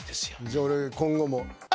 じゃあ俺今後も。